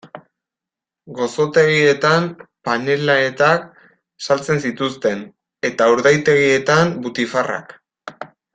Gozotegietan panelletak saltzen zituzten eta urdaitegietan butifarrak.